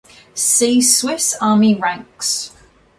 See Swiss army ranks.